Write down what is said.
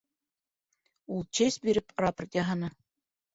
Ул честь биреп, рапорт яһаны.